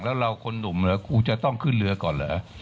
แล้วเราคนหนุ่มเหรอครูจะต้องขึ้นเรือก่อนเหรอ